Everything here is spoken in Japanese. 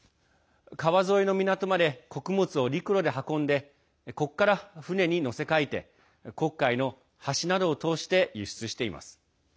川沿いの港まで穀物を陸路で運んでここから船に乗せかえて黒海のはしなどを通して輸送しています。